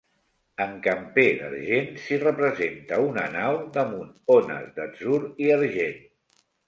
En camper d'argent, s'hi representa una nau damunt ones d'atzur i argent.